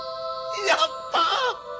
やった！